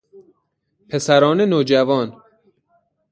پسران نوجوان